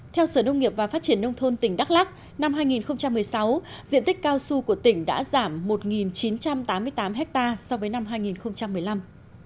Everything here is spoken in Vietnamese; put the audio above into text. theo sở nông nghiệp và phát triển nông thôn tỉnh đắk lắc năm hai nghìn một mươi sáu diện tích cao su của tỉnh đã giảm một chín trăm tám mươi tám ha so với năm hai nghìn một mươi năm